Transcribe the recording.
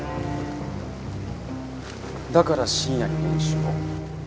だから深夜に練習を？